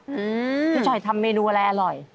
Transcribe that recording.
พี่จอยทำเมนูอะไรอร่อย